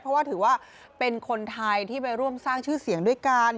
เพราะว่าถือว่าเป็นคนไทยที่ไปร่วมสร้างชื่อเสียงด้วยกัน